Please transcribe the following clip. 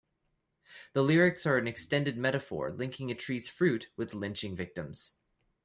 The lyrics are an extended metaphor linking a tree's fruit with lynching victims.